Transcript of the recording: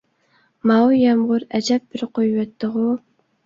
ماۋۇ يامغۇر ئەجەب بىر قۇيۇۋەتتىغۇ!